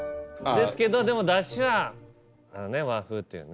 ですけどでもだしは和風というね。